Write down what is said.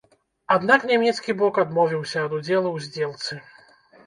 Аднак нямецкі бок адмовіўся ад удзелу ў здзелцы.